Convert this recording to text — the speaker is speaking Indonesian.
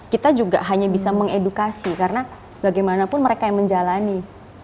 kita juga hanya bisa mengedukasi karena bagaimanapun mereka yang menjalani